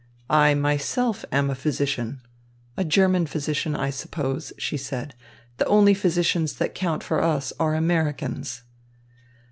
"I myself am a physician." "A German physician, I suppose," she said. "The only physicians that count for us are Americans."